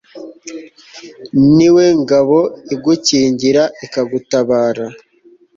ni we ngabo igukingira ikagutabara